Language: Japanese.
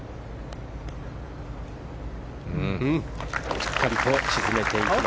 しっかりと沈めていきました。